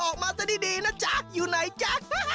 ออกมาซะดีนะจ๊ะอยู่ไหนจ๊ะ